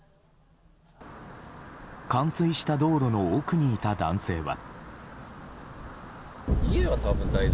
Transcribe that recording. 冠水した道路の奥にいた男性は。